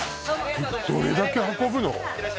どれだけ運ぶの？